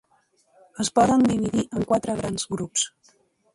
Es poden dividir en quatre grans grups.